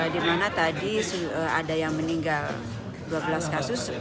dimana tadi ada yang meninggal dua belas kasus